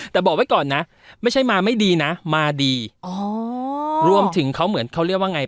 แต่บอกไว้ก่อนนะไม่ใช่มาไม่ดีนะมาดีอ๋อรวมถึงเขาเหมือนเขาเรียกว่าไง